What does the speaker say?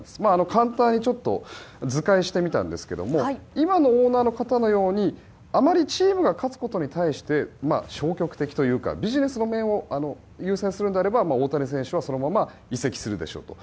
簡単に図解してみたんですが今のオーナーの方のようにチームが勝つことに消極的というか、ビジネスの面を優先するのであれば大谷選手はそのまま移籍するでしょうと。